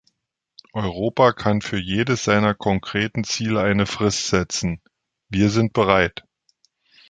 Europa kann für jedes seiner konkreten Ziele eine Frist setzen – wir sind bereit.